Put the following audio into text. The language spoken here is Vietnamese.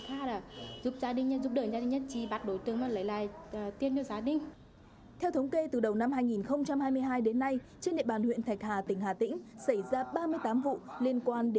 xảy ra ba mươi tám vụ liên quan đến tiền đoạt số tiền